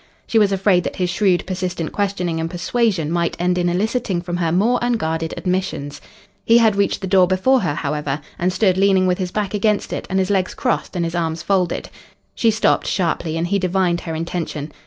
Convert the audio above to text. She was afraid that his shrewd, persistent questioning and persuasion might end in eliciting from her more unguarded admissions. He had reached the door before her, however, and stood leaning with his back against it and his legs crossed and his arms folded. She stopped sharply and he divined her intention.